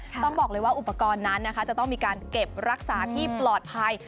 ต้องบอกเลยว่าอุปกรณ์นั้นนะคะจะต้องมีการเก็บรักษาที่ปลอดภัย